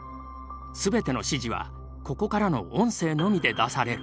全ての指示はここからの音声のみで出される。